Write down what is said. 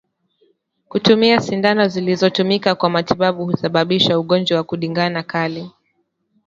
Kutumia sindano zilizotumika kwa matibabu husababisha ugonjwa wa Ndigana Kali